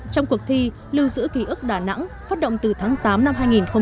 trong cuộc thi lưu giữ ký ức đà nẵng phát động từ tháng tám năm hai nghìn một mươi chín